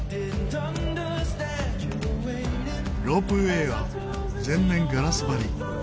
ロープウェーは全面ガラス張り。